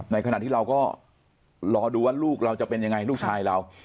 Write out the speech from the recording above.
ในขณะที่เราก็รอดูว่าลูกเราจะเป็นยังไงลูกชายเรา